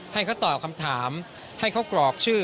ให้เขาตอบคำถามให้เขากรอกชื่อ